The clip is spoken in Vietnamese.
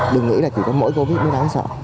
đừng nghĩ là chỉ có mỗi covid nó đáng sợ